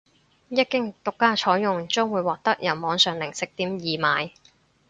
一經獨家採用將會獲得由網上零食店易買